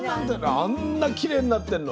あんなきれいになってんの？